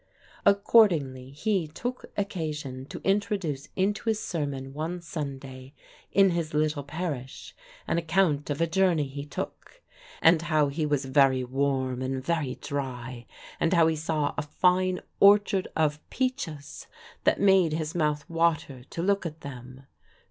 Accordingly, he took occasion to introduce into his sermon one Sunday, in his little parish, an account of a journey he took; and how he was "very warm and very dry;" and how he saw a fine orchard of peaches that made his mouth water to look at them.